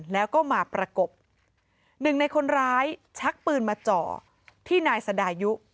แล้วก็มาประกบหนึ่งในคนร้ายชักปืนมาเจาะที่นายสดายุ